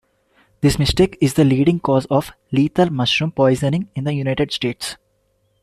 This mistake is the leading cause of lethal mushroom poisoning in the United States.